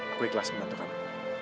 aku ikhlas membantu kamu